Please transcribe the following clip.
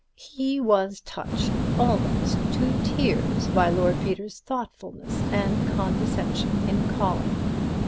He was touched almost to tears by Lord Peter's thoughtfulness and condescension in calling.